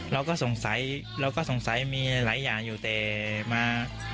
เราก็สงสัยเราก็สงสัยมีหลายอย่างอยู่แต่มา